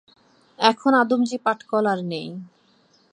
এখন আদমজী পাটকল আর নেই।